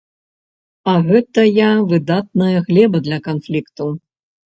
А гэтая выдатная глеба для канфлікту.